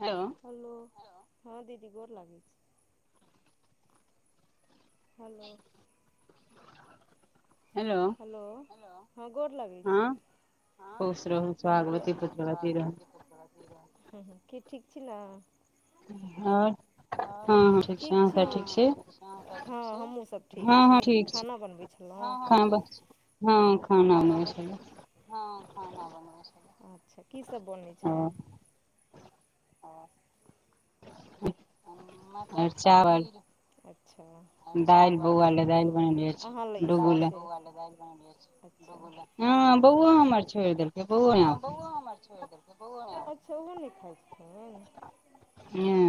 Hello hello हँ दीदी गोर लागै छै हेलो हेलो हेलो हेलो हँ गोर लगे छी खुश रहू हूँ हूँ की ठीक छी न हँ ठीक छी हँ हमहुँ सब ठीक छी खाना बनबैत छलउ हँ हम ठीक छी अहँ खाना ब हँ खाना बनबै छै अच्छा की सब बनै छै आँ [inaudible] मटर पनीर अच्छा चावल दाल बऊमा न द दाल बनोलई छल हँ बौओ हमर छौरि देलकय हँ बौआ हमर छोड़ि देलकै बौ ओ नहि खाइत छथिन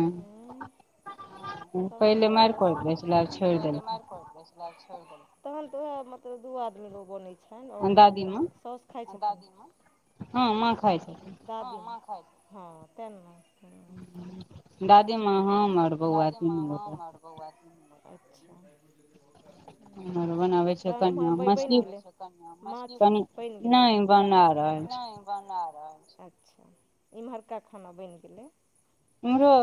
ह तहन तऽ बस पहिले मायर तहन तऽ ओएह मतलब दू आदमी लोग बनै छ आओर खाली अहाँक सास खाइ छथि दादीमे हँ माँ खाइ छथिन हँ माँ खाइ छथिन दादीमा हम आर बौआ तीन गोटा अच्छा ह बनाबै छै कनिया मछली कनि नहि बना रहल छै अच्छा इम्हरका खाना बनि गेलै अमहरो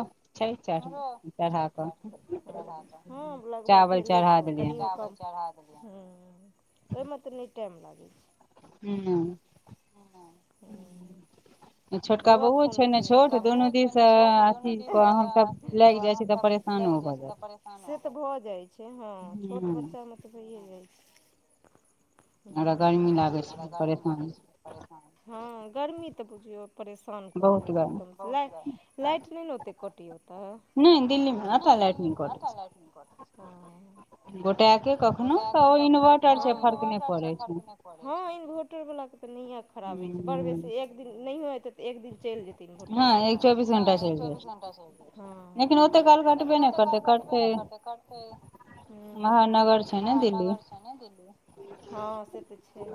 लगभग भेले छौ कनि ह ओहिमे तऽ नहि टाइम लागै हू हू बौआ फोन उठेने छै छोटका बौऐ छै ने छोट दुनू दिन त अथि लाग जाय छै तऽ परेशान से तऽ भऽ जाय छै हँ छोट बच्चा मे तऽ होइए जाइ छै [unintelligible] हँ गर्मी तऽ बुझियौेश लाइट नहि ने ओते कटैय ओत नहि दिल्लीमे नहि दिल्लीमे एतऽ [unintelligible] अलर्ट नहि प गोटा एक गोटा कखनो इन्वर्टर से फर्क नहि पड़ै ह इन्भर्टर वला नहिय खराबे छै बड़ बेसी एक दिन नहियो एते तऽ एक दिन चेल जेते इनवेटर ह चौबीस घंटा चल लेकिन ओते काल कटबे ने करतै छेह महानगर स महानगर छै ने दिल्ली हँ से तऽ छै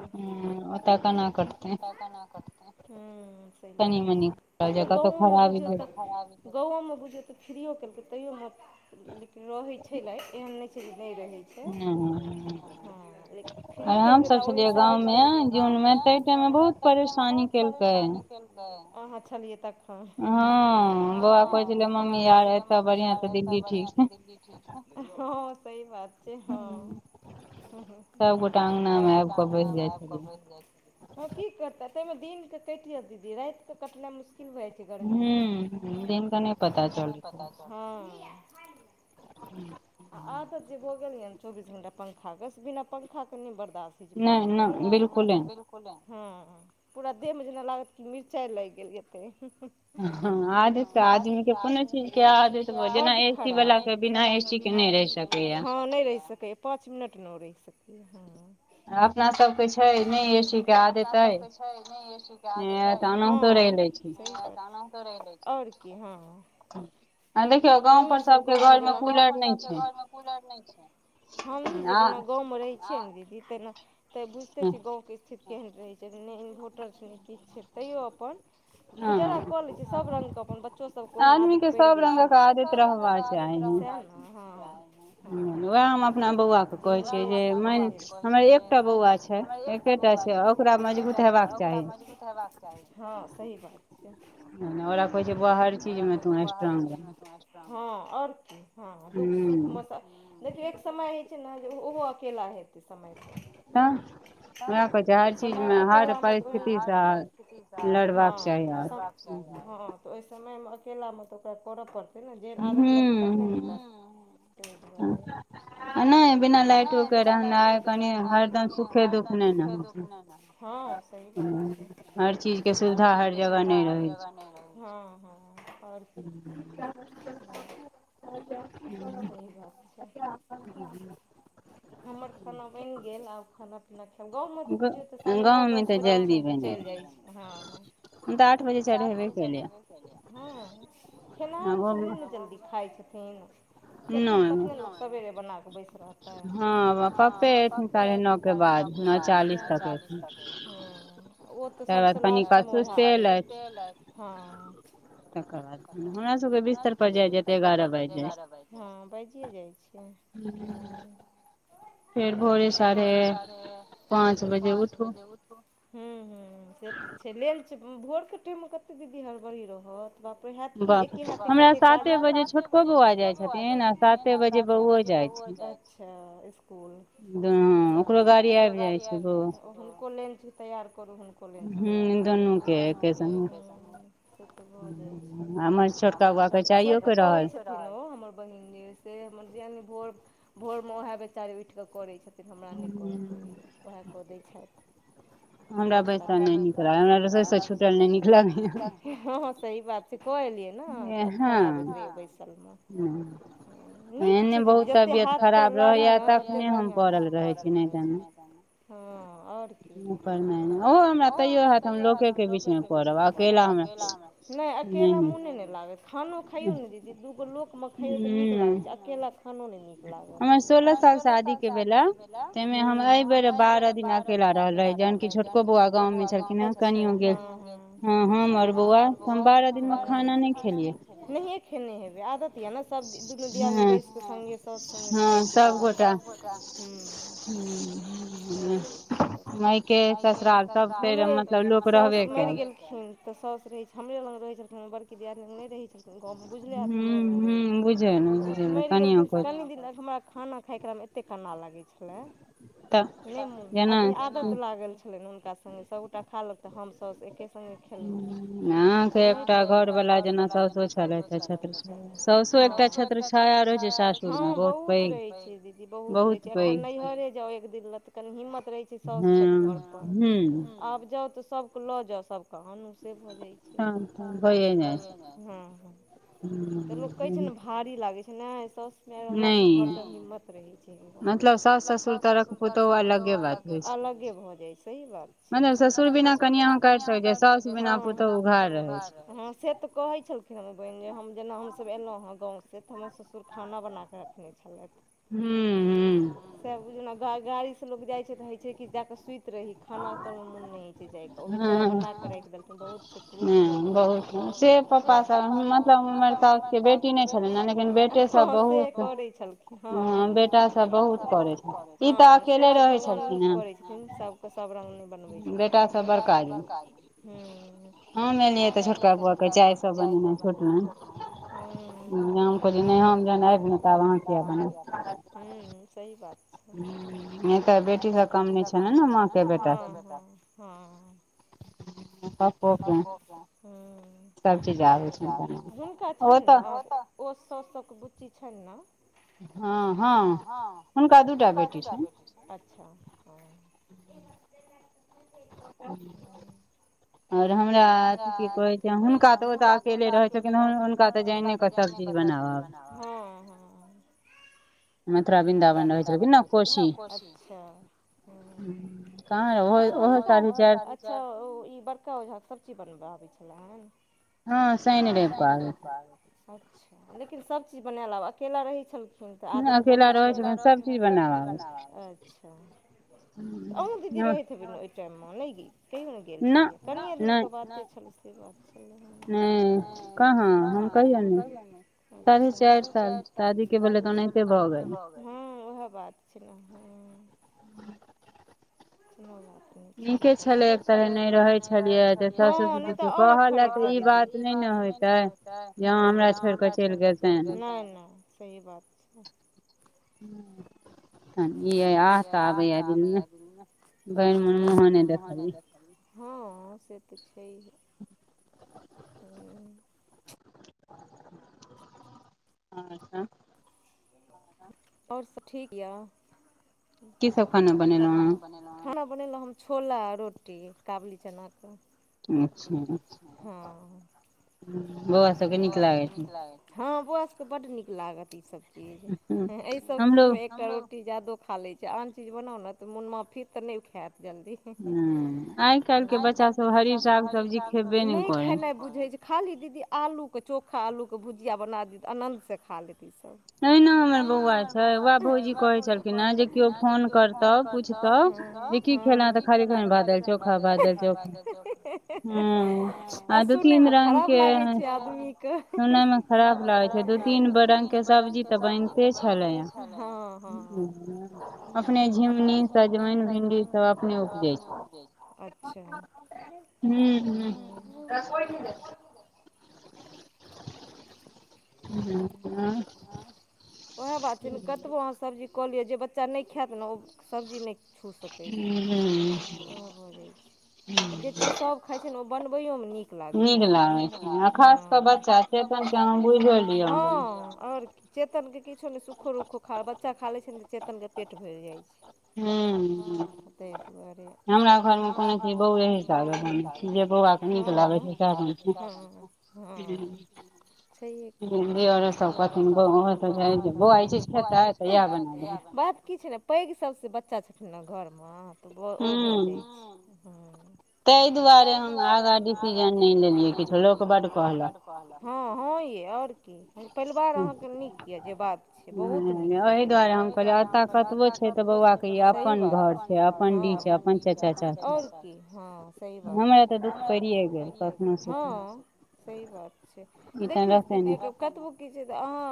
ओतय केना कटतै ह सहि बात छै आब तऽ गाँमे बुझियौ तऽ [unintelligible] गाँवो मे बुझौ तऽ फ्री केलकै तैयो मे लेकिन रहै छै लाइट एहन नहि छै नहि रहै छै हँ फ्री केलकै त ओहि हिसाब गाँंव मे जून मे त बहुत परेशानी केल अहाँ छलिये लियै तखन हँ बौआ कहै छलै मम्मी आर एत बढ़ियां त दिल्ली हँ सही बात छै हँ सब गोटा अगना मे आबके बैस हँ की करतै ताहिमे दिन कटिह दीदी रात कऽ कटनाइ मुश्किल भए जाइ छै गर्मी मे हूँ हिनका नै पता छै ह हू आ आब तऽ जे भऽ गेल यनि चौबीस घंटा पंखाके से बिना पंखाके नहि बर्दाश्त पाच मिनट नै नै बिल्कुल हँ पूरा देहमे जेना लागत कि मिरचाइ लागि गेल हतै आदमी के कोनो चीज एी के [unintelligible] हँ नहि रहि सकैए पाँच मिनट नहि ओ रहि सकैए हुँ त दुआरे अपना सभके छै नहि सुखा देतै आओर की ह [unintelligible] हँ लेकिन हमहीँ सभ गाँव गाँव पर सभके घरमे कुलर नहि छै हमहीँ सभ जेना गाँवमे रहै छियै ने दीदी तेना तऽ बुझिते छियै गाँवके स्थिति केहन रहै छै नहि इन्वोटरसँ नहि किछ छै तैयो अपन गुजारा कऽ लै छै सभ रङंगगके अपन बच्चो सभके ओहिना आदत पेड़ गेल छै र खाद उ तर [unintelligible] अपना बौआ के कहै छै जे हमर एकटा बौआ छैटा छै ओकरा [unintelligible] ूत [unintelligible] रहबाक चाही हँ सही बात छै आ हमरा कहै छै बाहर छी ने हँ आओर की हँ दुःख समय होइ छै ने ओहो अकेला हेतै समय समय अके [unintelligible] लाथित हँ तऽ ओहि समयमे अकेलामे तऽ ओकरा करय पड़तै। ने जे आदत लगतै तखने ने करते ताहि दुआरे नहि बिना लाइट के रहना ह कनि हरदम सुखे दुःख ने ने हँ सही बात छै हर चीजके सुविधा हर जगह नहि रहै छै आओर [inaudible] ह। आ जा। सही बात हैं। हमर खाना बनि गेल आ खाना। गाममे तऽ बुझियौ साढ़े नओ दस बजे चलि जाइ छै, हैं। हम तऽ आठ बजे चढ़ेबे कऽ हँ खेनाहारोसभ नहि ने जल्दी खाइत छथिन। खेथिन तखनी सबेरे बना कऽ बैसन। हँ, पाप्पे एथिन साढ़े नओ के बाद चालीस तक ए ओ तऽ सभसँ लास्टमे उएह आबै छै, हँ। हमरा सभ के बिस्तर पर जा जेतै एगारह। हँ, बाजिए जाइ छै, ह फेर भोरे साढ़े बजे पाँच बजे उठू। हूँ हूँ से तऽ छै, लेल छै, भोरके टाइममे कतेक दीदी हड़बड़ी रहत। बापे हत कि एके हयत कते काल बट, हमरा साते बजे बौआ जाइ छथिन ने साते बजे बौआ जाइ छै, स्कूल। ओकरो गाड़ी आबि जाइ छै, हुनको लेन्थ तैयार करू हुनको लेन्थ तैयार करूनू। से एक्केँ सघे जाय छै, हमर छोटका भाय से तऽ कहय हेलो हमर बहिन हमर जे ये से हमर दियादनि। भोरमे ओएह बेचारी उठिकऽ करै छथिन हमरा नहि करा पड़ैय ओएह कऽ दै छथि। हमरा बैसा नहि नीक लागै, हमरा रसोइसँ छुटल नहि नीक लागैए। हँ, सही बात छै, कऽ एलियै ने अहाँकेँ अखर आबत रहै बैसलमे। हूँ। नीक छै, दीदी जते हाथ पे लारी ने तते बढ़िआँ। हँ, आओर। नाइ ओहो हमरा तैयो होयैत हम लोकेके बीचमे करब अकेला हमरा। नहि अकेला मोने नहि लागै खानो खाइयो ने दीदी दूगो लोकमे ख। नीक लागे छै, अकेला खानो नीक छै। लाग हमर सोलह साल शादीके भेला हम एहि बेर बारह दिन अकेला रहल। जान छोटको बौआ गाम छलखिन, अच्चा, ह, ह, हैं हम आ वहा हम बारे दिन खाना नै खेलिये, नहि खेने हेबै आदत य। ने सभ दुनू दिय दनी बैसके सगे खाइ छै, ह सभ गोटा। हू। हो जाइ छै, [unintelligible] हमर सास मैर न तऽ सास रहै छै, हमरे लग रहै छलखिन, बड़की दियदी लग नहि रहै छै। गाममे बुझले हत मरि गेलखिन। क दिन हमरा खाना खाइकेरामे एतेक कना लागै छलै। नेमोन अथि आदत लागल छलनि हुनका सङ्गे सभगोटा खा लेलक तऽ हम साउस एके सङ्गे। खेल एकटा घरवला जेना सउसो। साउस एकटा छत्र छाया रहै छै, ह बहुत रहे छै, दीदी बहुत रहे छै, एखन नैहरे जा एकिन। कनी हिम्मत रहे छै, साउस छथि घर पर आब जाऊ त सभ लो जा सभ कऽ आनु। भऽ जा छै, तऽ लोक। भारी लागै छै, ने स। हम घर तऽ हिम्मत रहे छै, मतलब साउस ससुर तरक पुतौ आ ल। अलगे भऽ जाय सही बात छै, मने ससुर बिना कनिह काट सक सना पुतौ उघार। हँ, से तऽ कहै छल। हम बहिन, जेना हमसभ एयलहुँ हँ गावसँ तऽ हमर ससुर खाना बना कऽ रखने छलथि। हू। ह, से बुझुयौ गाड़ी से लोग जाइ छै, तऽ हय छै, कि जाके सुति रहि खाना तमे मोन नहि होइ छै, जाइके ओ बेचारा बनाकऽ राखि देलखिन बहुत छै, प्रूख भऽ क पप्पा सबमतलब बेटी नहि छल हम से करत छलथिन ह बेटा सब बहुत करय हँ से [unintelligible] तऽग करैन सबके सब र बनबै छथिन बेटा सब बड़का ह हँ म लिय त छोटका बुआके चाय सब बनेना छोट नहि हम कहल नह जेह आब ने तब अहाँके अपन हूँ सही बात छै त बेटी सब काम नहि छल ने प पक ह सब चीज आबै छै छनि ने ओ साउस क बुच्ची छनि ने हँ हँ हुनका दू टा बेैठी अच्छा हँ ह आओर हमरा की कहै छै हुनका तऽ ओतऽ अकेले रहै छ हुनका तऽ जने सभचीज बनाबब हँ हँ मथुरा विरन्दावन [unintelligible] छै अच्छा ओ ई बड़का ओहिझाके सभचीज बनब आबै छलै हेँ ने हँ शनि रवि कऽ आबै छै अच्छा लेकिन सभचीज बनाय लब अकेला रहैत छल हुनका आदत बनल छै कि अच्छा हमर दीदी रहैतब ने टाइममे नहि गेल कहियओमे गेल छलियै कनिये दिनके बाद जे छलै से बात नहि कहाँ हम कहियौ ने साढ़े चारि साल शादी के भेलै तऽ ओनाहिते भऽ गेल हँ ओएह बात छै ने हँ ह ह ठीके छल एक तरह नहि रहे छलियै ह नहि तँ आओर अखरैत [unintelligible] बात नहि होै हमरा छोड़ कऽ चलि गेल नहि नहि सही बात [unintelligible] आबैय दिलमे ह भर मन मुह नहि देख लिए हँ से तऽ छैहे ह अच्छा आओर सब ठीक यऽ की सब खाना बनेलहुँ खाना बनेलहुँ हम छोला रोटी काबुली चनाके अच्छा हँ बौआ सबके नीक लागे छै हँ बउआ सभ के बड नीक लागत ईसभ इ सब चीज में एकटा रोटी जादो खा ले छै जे आन चीज बनाउ ने तऽ मन माफी तऽ नहि खायत जल्दी आइकाल्हि के बच्चा सब हरी साग सब्जीक नहि खेनाइ बुझै छै खा ली दीदी आलूके चोखा आलूके भुजिआ बना देत आनन्दसँ खा लेत ई सब हे न हमर बौआ के बआ भौजी कहै छलिन हे जे केओ फोन करतह पूछतह की की बनाओल तँ खाली भात दालि चोखा भात धादिङ चोखा आ सुनय में खराब लागे छै आदमी के सुन मे खराब लाग छै रंग बिरंग क त सब्जी बेनते छलाह झुगनी सजमनि भिंडी सब अपने उपजै छै अच्छा हु हु रसोई ह ह वएह बात छै कतबो अहाँ सब्जी कऽ लिअ जे बच्चा नहि खायत ने ओ सब्जी नहि छू सकैए उएह भऽ जाइ छै आ जे चीज सभ खाइत छै ने ओ बनबैोमे नीक लागैत छै आदमी क हँ बच्चा हाँ ह आओर चेतनके किछो नहि सुखो रूखो खा बच्चा खा लै छै ने तऽ चेतनके पेट भरि जाइत छै हँ ताहि दुआरे हमरा घरमे कोनो चीज बउ रहै छै रह ह ह छहे की बात की छल ने पैघ सबसँ बच्चा छथिन घरमे तऽ ओ भऽ जाइ छै ह ताहि दुआरे हम आगाँ डिसीजन नहि लिय किछ लोको बट हँ ह य आओर परिवार अहाँकेँ नीक यऽ जे बात छै बहुत नीक यए परिवार इहाई दुआरे कतबो छै तऽ ब अपन घर पणडी छै सही बात हमरा तऽ दुख बढ़िये गेल हँ सही बात छै देखियौ दीदी कतबो की छै तऽ अहाँ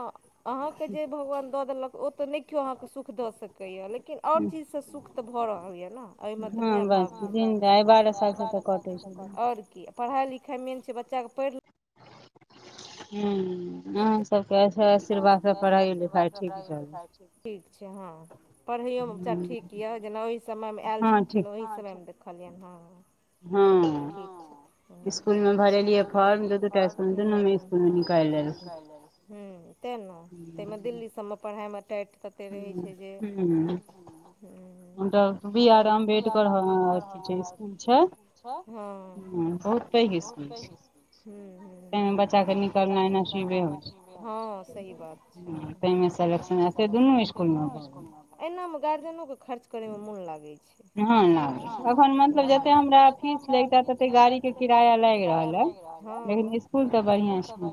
अहाँके जे भगवान दऽ देलक ओ तऽ नहि केओ अहाँके सुख दऽ सकैय लेकिन आओर चीजसँ सुख तऽ भऽ रहल यऽ न एहिमे त नै अभाव या और की पढ़ई लिखई मेन छै बच्चा के पढ़ ल हू अहाँ सबके आशीर्वाद पढ़ाइ लिखाइ ठीक चलते पढ़ैयओमे बच्चा ठीक यऽ जेना ओहि समयमे आयल छलखिन ओहि समयमे देखलिअनि हँ हँ हँ स्कुल मे भरेलियै फॉर्म स्कूल निकाल हूँ तैँ ने ताहिमे दिल्ली सबमे पढ़ाइमे टाइटि तते रहै छै जे भी आराम भेड कर अच्छा ह बहुत पैघ स्कूल छै हू हू बच्चाके निकलना नसीबे होय छै एना मे गार्जियनो के खर्च करे में मोन लागै छै हँ तखन मतलब जे कते हमरा फीस लगता तते गाड़ी के किराया लाग रहल ह लेकिन स्कूल तऽ बच